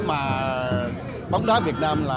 mà bóng đá việt nam